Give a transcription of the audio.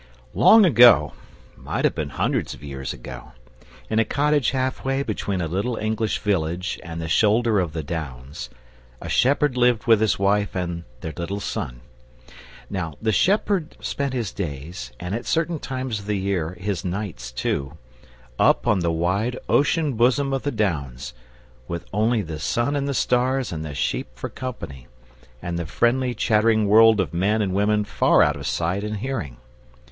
Long ago might have been hundreds of years ago in a cottage half way between this village and yonder shoulder of the Downs up there, a shepherd lived with his wife and their little son. Now the shepherd spent his days and at certain times of the year his nights too up on the wide ocean bosom of the Downs, with only the sun and the stars and the sheep for company, and the friendly chattering world of men and women far out of sight and hearing.